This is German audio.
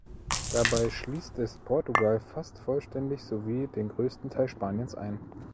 Dabei schließt es Portugal fast vollständig sowie den größten Teil Spaniens ein.